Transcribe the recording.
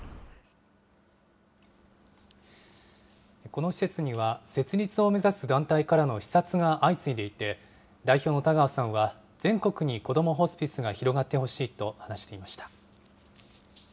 この施設には、設立を目指す団体からの視察が相次いでいて、代表の田川さんは、全国にこどもホスピスが広がってほしいと話していました。